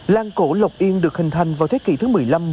làng cổ lộc yên được hình thành vào thế kỷ thứ một mươi năm một mươi sáu